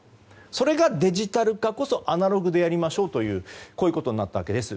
それがデジタル化こそアナログでやりましょうとこういうことになったわけです。